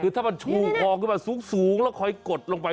คือถ้ามันชูคอขึ้นมาสูงแล้วคอยกดลงไป